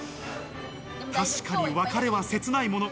確かに別れは切ないもの。